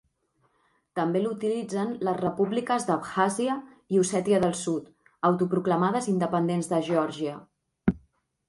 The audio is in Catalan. També l'utilitzen les repúbliques d'Abkhàzia i Ossètia del Sud, autoproclamades independents de Geòrgia.